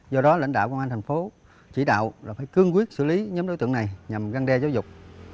do đó lãnh đạo công an thành phố chỉ đạo là phải cương quyết xử lý nhóm đối tượng này nhằm găng đe giáo dục